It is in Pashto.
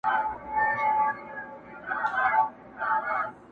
د شاه شجاع د قتلېدلو وطن!!